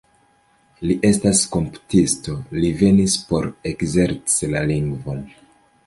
Li estas komputisto, li venis por ekzerci la lingvon.